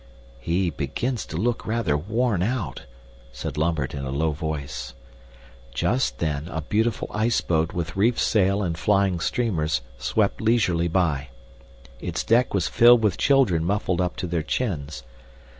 "He begins to look rather worn out," said Lambert in a low voice. Just then a beautiful iceboat with reefed sail and flying streamers swept leisurely by. Its deck was filled with children muffled up to their chins.